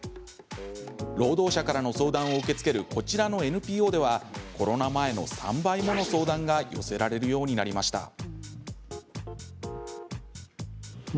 労働者からの相談を受け付けるこちらのＮＰＯではコロナ前の３倍もの相談が寄せられるようになりました。